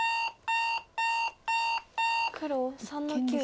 黒３の九。